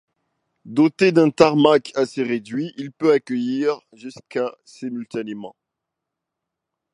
Doté d'un tarmac assez réduit, il peut accueillir jusqu'à simultanément.